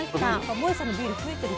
もえさんのビール増えてる気がする。